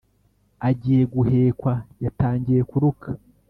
agiye guhekwa yatangiye kuruka